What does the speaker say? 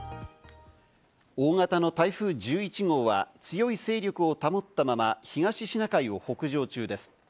大型の台風１１号は強い勢力を保ったまま東シナ海を北上中です。